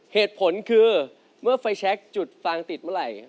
เหตุผลคือเมื่อไฟแชคจุดฟางติดเมื่อไหร่